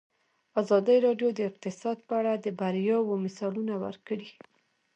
ازادي راډیو د اقتصاد په اړه د بریاوو مثالونه ورکړي.